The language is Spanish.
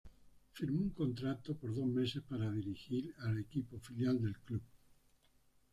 Firmó un contrato por dos meses para dirigir al equipo filial del club.